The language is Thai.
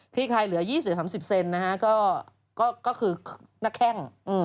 คลายเหลือ๒๐๓๐เซนนะฮะก็คือหน้าแข้ง